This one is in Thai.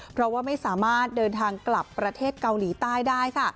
เพราะว่าไม่สามารถเดินทางกลับประเทศเกาหลีใต้ได้ค่ะ